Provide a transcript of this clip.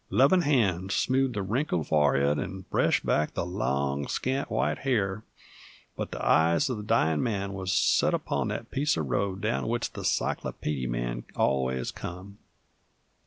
Lovin' hands smoothed the wrinkled forehead 'nd breshed back the long, scant, white hair, but the eyes of the dyin' man wuz sot upon that piece uv road down which the cyclopeedy man allus come.